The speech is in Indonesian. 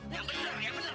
yang bener yang bener